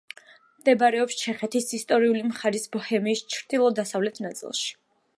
მდებარეობს ჩეხეთის ისტორიული მხარის ბოჰემიის ჩრდილო-დასავლეთ ნაწილში.